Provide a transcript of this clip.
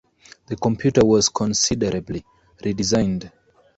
The computer was considerably redesigned.